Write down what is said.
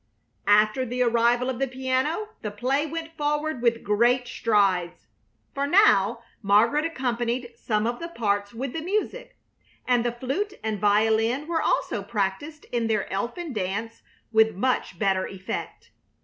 After the arrival of the piano the play went forward with great strides, for now Margaret accompanied some of the parts with the music, and the flute and violin were also practised in their elfin dance with much better effect.